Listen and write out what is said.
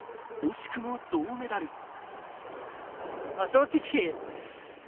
惜しくも銅メダル。